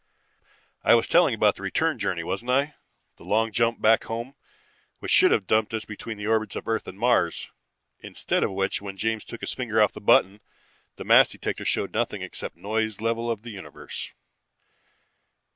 "I was telling about the return journey, wasn't I? The long jump back home, which should have dumped us between the orbits of Earth and Mars. Instead of which, when James took his finger off the button, the mass detector showed nothing except the noise level of the universe.